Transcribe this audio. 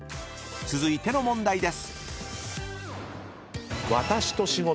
［続いての問題です］